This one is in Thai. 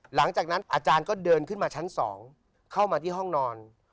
หลังจากนั้นอาจารย์ก็เดินขึ้นมาชั้น๒เข้ามาที่ห้องนอน